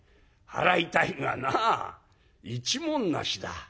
払いたいがなあ一文無しだ」。